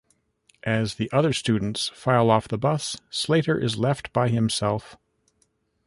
As the other students file off the bus, Slater is left by himself.